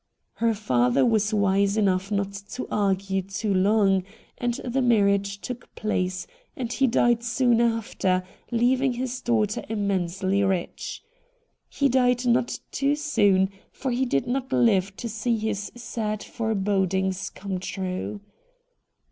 Her father was wise enough not to argue too long, and the mar riage took place, and he died soon after, leaving his daughter immensely rich. He died not too FIDELIA LOCKE 143 soon, for he did not live to see his sad fore bodings come true.